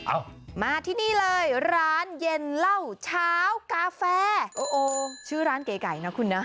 เอามาที่นี่เลยร้านเย็นเหล้าเช้ากาแฟโอ้โหชื่อร้านเก๋ไก่นะคุณนะ